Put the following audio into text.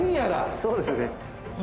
そうですね。